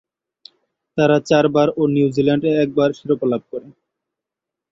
তারা চারবার ও নিউজিল্যান্ড একবার শিরোপা লাভ করে।